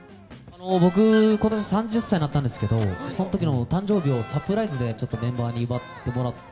僕今年３０歳になったんですけどその時の誕生日をサプライズでメンバーに祝ってもらって。